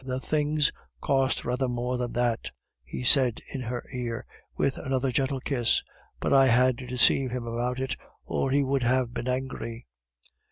The things cost rather more than that," he said in her ear, with another gentle kiss, "but I had to deceive him about it, or he would have been angry."